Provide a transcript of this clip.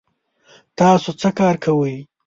تاسو څه کار کوئ؟